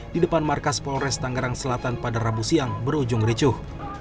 di depan markas polres tangerang selatan pada rabu siang berujung ricuh